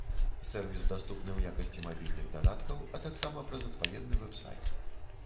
Сэрвіс даступны ў якасці мабільных дадаткаў, а таксама праз адпаведны вэб-сайт.